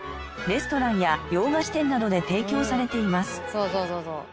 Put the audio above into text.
そうそうそうそう。